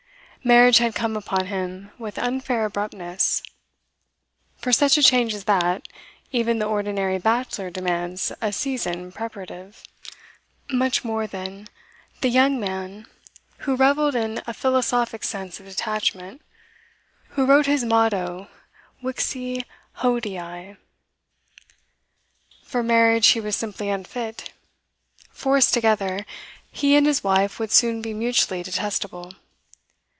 Marriage had come upon him with unfair abruptness; for such a change as that, even the ordinary bachelor demands a season preparative; much more, then, the young man who revelled in a philosophic sense of detachment, who wrote his motto 'Vixi hodie!' For marriage he was simply unfit; forced together, he and his wife would soon be mutually detestable.